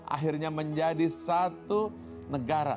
akhirnya menjadi satu negara